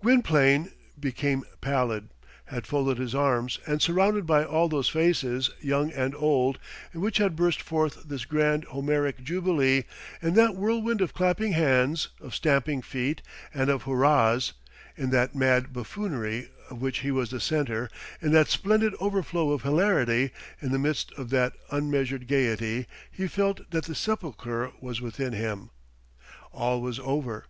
Gwynplaine, become pallid, had folded his arms; and, surrounded by all those faces, young and old, in which had burst forth this grand Homeric jubilee; in that whirlwind of clapping hands, of stamping feet, and of hurrahs; in that mad buffoonery, of which he was the centre; in that splendid overflow of hilarity; in the midst of that unmeasured gaiety, he felt that the sepulchre was within him. All was over.